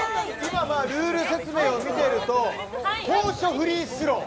ルール説明を見てると高所フリースロー